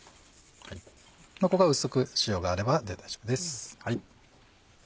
ここは薄く塩があればで大丈夫です。